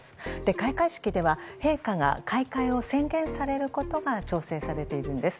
開会式では陛下が開会を宣言されることが調整されているんです。